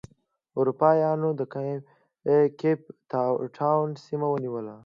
اروپا یانو د کیپ ټاون سیمه ونیوله.